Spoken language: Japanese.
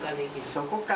そこか。